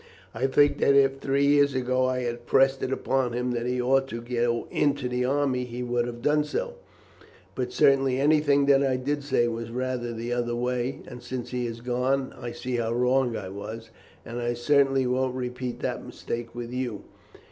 I think that if, three years ago, I had pressed it upon him that he ought to go into the army, he would have done so; but certainly anything that I did say was rather the other way, and since he has gone I see how wrong I was, and I certainly won't repeat the mistake with you.